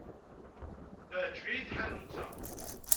Teɛjeb-iyi tḥanut-a.